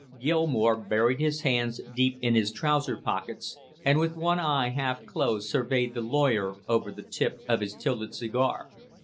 Gilmore buried his hands deep in his trousers pockets and with one eye half closed surveyed the lawyer over the tip of his tilted cigar.